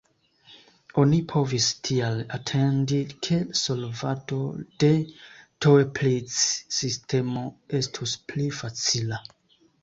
Oni povis tial atendi ke solvado de Toeplitz-sistemo estus pli facila.